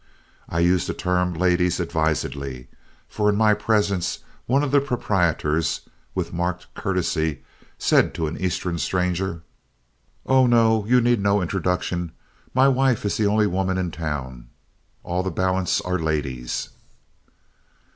I use the term LADIES advisedly, for in my presence one of the proprietors, with marked courtesy, said to an Eastern stranger, "Oh, no, you need no introduction. My wife is the only woman in town; all the balance are ladies."